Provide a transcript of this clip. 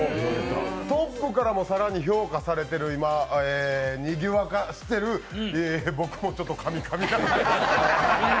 トップからも更に評価されている今、にぎわかしている僕もちょっとかみかみなんで。